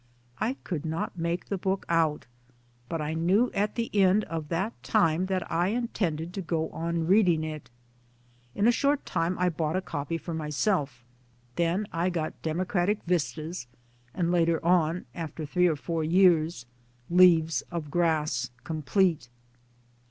I could not make the book out, but I knew at the end of that time that I intended to go on reading it. In a short time I bought a copy for myself, then I got Democratic Vistas, and later on (after three or four years) Leaves of Grass complete.